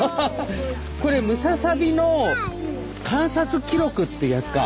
これムササビの観察記録ってやつか。